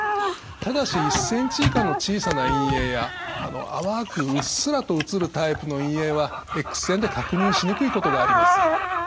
ただし１ｃｍ以下の小さな陰影や淡くうっすらと写るタイプの陰影はエックス線で確認しにくいことがあります。